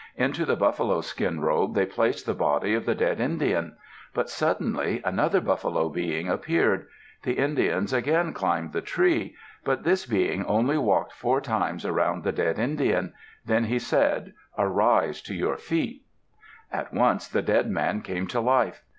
Into the buffalo skin robe they placed the body of the dead Indian. But suddenly another Buffalo Being appeared. The Indians again climbed the tree. But this Being only walked four times around the dead Indian. Then he said, "Arise to your feet." At once the dead man came to life.